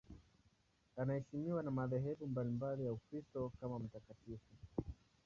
Anaheshimiwa na madhehebu mbalimbali ya Ukristo kama mtakatifu.